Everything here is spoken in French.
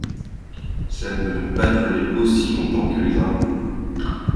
Cela ne peut donc pas durer aussi longtemps que les impôts.